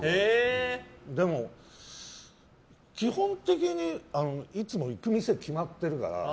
でも、基本的にいつも行く店、決まってるから。